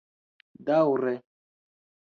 daŭre